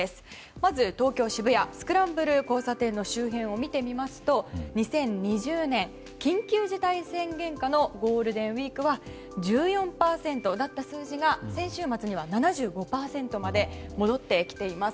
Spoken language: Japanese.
まず東京・渋谷スクランブル交差点の周辺を見てみますと２０２０年、緊急事態宣言下のゴールデンウィークは１４％だった数字が先週末には７５％まで戻ってきています。